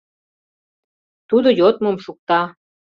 Тудо йодмым шукта.